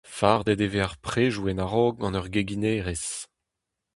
Fardet e vez ar predoù en a-raok gant ur geginerez.